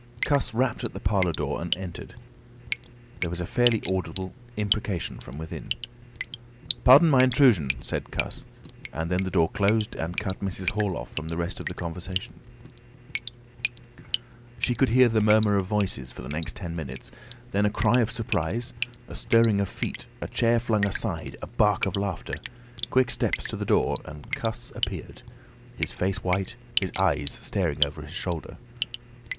Cuss rapped at the parlour door and entered. There was a fairly audible imprecation from within. "Pardon my intrusion," said Cuss, and then the door closed and cut Mrs. Hall off from the rest of the conversation. She could hear the murmur of voices for the next ten minutes, then a cry of surprise, a stirring of feet, a chair flung aside, a bark of laughter, quick steps to the door, and Cuss appeared, his face white, his eyes staring over his shoulder.